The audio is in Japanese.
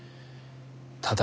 ただ。